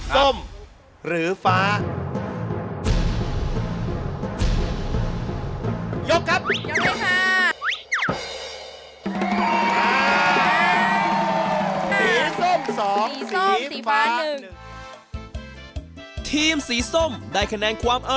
ส้มหรือฟ้า